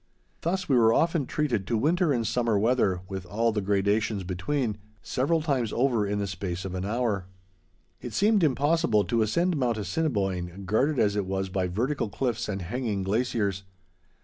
Thus we were often treated to winter and summer weather, with all the gradations between, several times over in the space of an hour. It seemed impossible to ascend Mount Assiniboine, guarded as it was by vertical cliffs and hanging glaciers.